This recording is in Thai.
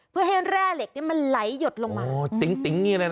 เพื่อให้แร่เหล็กนี้มันไหลหยดลงมา